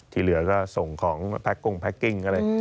ที่เหลือก็ส่งของแพ็กกุ้งแพ็กกิ้งอะไร